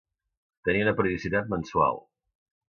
Tenia una periodicitat mensual.